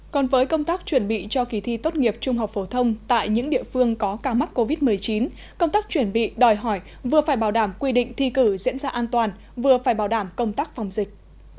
còn với công tác chuẩn bị cho kỳ thi tốt nghiệp trung học phổ thông tại những địa phương có ca mắc covid một mươi chín công tác chuẩn bị đòi hỏi vừa phải bảo đảm quy định thi cử diễn ra an toàn vừa phải bảo đảm công tác phòng dịch